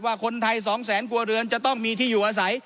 ว่าคนไทย๒แสนครัวเรือนจะต้องมีที่อยู่อาศัย